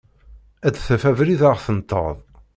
Ad d-taf abrid ad ɣ-tenṭeḍ.